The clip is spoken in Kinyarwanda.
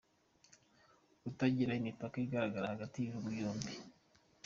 Kutagira imipaka igaragara hagati y’ibihugu byombi.